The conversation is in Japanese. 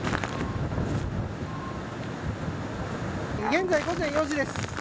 現在午前４時です。